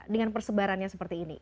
dengan persebarannya seperti ini